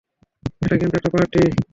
এটা কিন্তু একটা পার্টি!